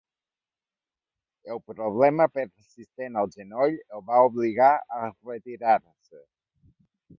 El problema persistent al genoll el va obligar a retirar-se.